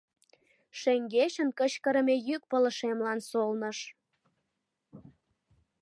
Шеҥгечын кычкырыме йӱк пылышемлан солныш.